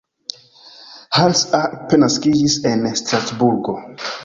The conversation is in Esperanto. Hans Arp naskiĝis en Strasburgo.